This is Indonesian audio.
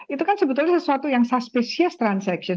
itu kan sebetulnya sesuatu yang suspecies transaction